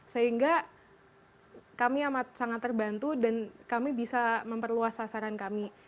sehingga kami amat sangat terbantu dan kami bisa memperluas sasaran kami